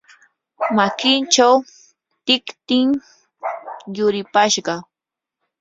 makinchaw tiktim yuripashqa.